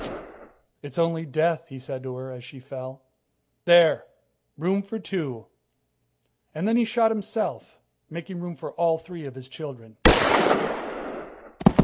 "It's only death," he said to her as she fell. "There! Room for two." And then he shot himself, making room for all three of his children.